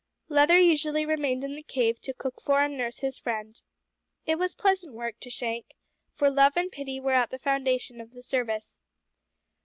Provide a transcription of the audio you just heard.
Leather usually remained in the cave to cook for and nurse his friend. It was pleasant work to Shank, for love and pity were at the foundation of the service.